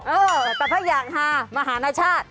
เออแต่ถ้าอยากฮามหานชาติ